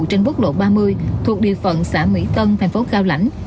trên quốc lộ ba mươi thuộc địa phận xã mỹ tân thành phố cao lãnh